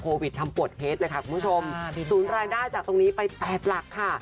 โควิดทำปวดเฮ็ดเลยค่ะคุณผู้ชมสูญรายได้จากตรงนี้ไปแปดหลักค่ะ